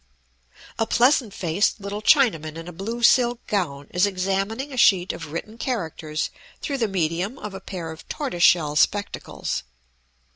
A pleasant faced little Chinaman in a blue silk gown is examining a sheet of written characters through the medium of a pair of tortoise shell spectacles.